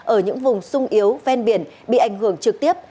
ở những vùng sung yếu ven biển bị ảnh hưởng trực tiếp